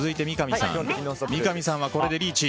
三上さんはここでリーチ。